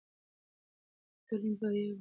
که تعلیم کې بریا وي، نو ټولنه به خوشحاله وي.